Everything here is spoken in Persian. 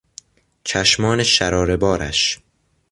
چشمان شراره بارش!